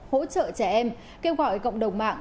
hỗ trợ trẻ em kêu gọi cộng đồng mạng